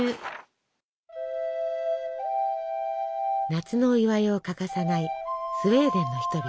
夏のお祝いを欠かさないスウェーデンの人々。